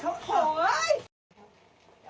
โถ่เอ้ย